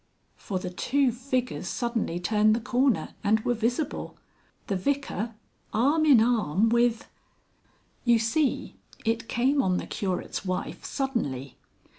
_" For the two figures suddenly turned the corner and were visible. The Vicar, arm in arm with You see, it came on the Curate's wife suddenly.